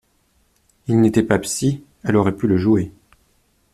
Il n’était pas psy, elle aurait pu le jouer?